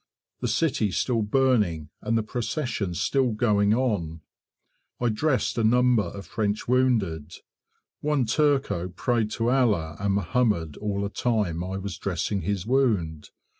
The city still burning and the procession still going on. I dressed a number of French wounded; one Turco prayed to Allah and Mohammed all the time I was dressing his wound.